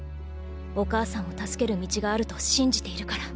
お母さんを助ける道があると信じているから。